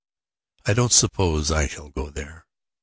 I don't suppose I shall go there.